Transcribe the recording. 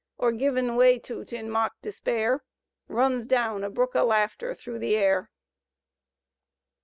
Or givin' way to 't in a mock despair. Runs down, a brook o' laughter, thru the air.